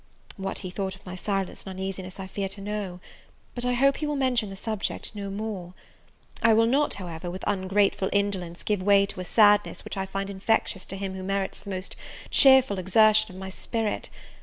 What he thought of my silence and uneasiness I fear to know; but I hope he will mention the subject no more. I will not, however, with ungrateful indolence, give way to a sadness which I find infectious to him who merits the most cheerful exertion of my spirits.